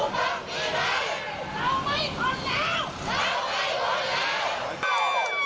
เกิดเสียงเราอยู่เขามาเป็นทางให้เรารวย